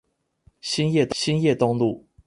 興業東路